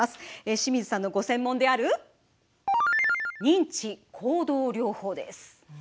清水さんのご専門である認知行動療法です。